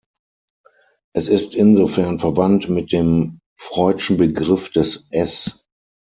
Es ist insofern verwandt mit dem Freudschen Begriff des Es.